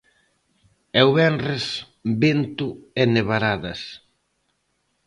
E o venres, vento e nevaradas.